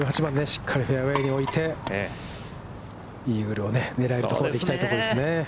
しっかりフェアウェイに置いてイーグルを狙えるところに行きたいところですね。